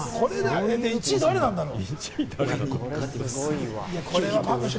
１位、誰なんだろう？